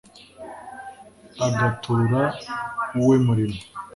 agatura uwe murimo